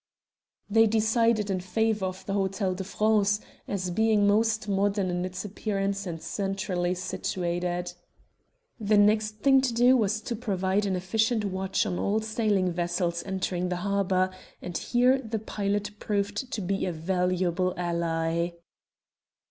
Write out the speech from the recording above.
They decided in favour of the Hotel de France as being most modern in its appearance and centrally situated. The next thing to do was to provide an efficient watch on all sailing vessels entering the harbour, and here the pilot proved to be a valuable ally.